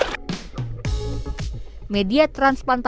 beberapa hari anda ini akan bekerja